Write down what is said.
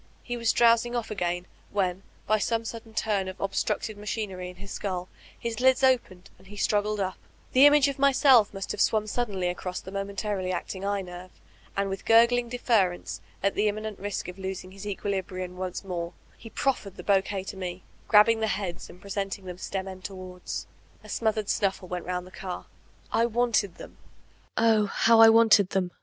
He was dfx>wsing off again, when, by some sudden turn of the obstructed machinery in his skull, his ttds opened and he struggled np; the image of myself must have swum suddenly across the momentarily acting eye > nerve, and with gurgling deference, at the immanent risk of losing his equilibrium once more, he proffered the Iwuquet to me, grabbing the heads and presenting them stem end towards. A smothered snuffle went romid the car. I wanted them. Oh, how I wanted them!